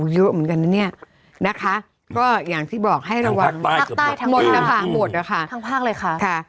เยอะเหมือนกันนะคะก็อย่างที่บอกให้ระวังทางภาคใต้ทางภาคเลยค่ะ